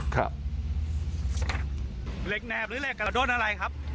เหล็กแหนบหรือเหล็กโดนอะไรครับ